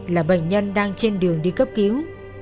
là bệnh nhân đang trên đường đi cấp cứu